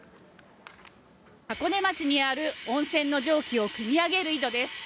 箱根町にある温泉の蒸気をくみ上げる井戸です。